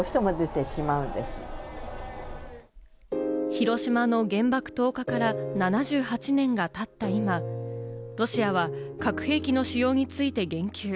広島の原爆投下から７８年が経った今、ロシアは核兵器の使用について言及。